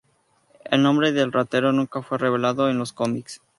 El nombre del Ratero nunca fue revelado en los cómics.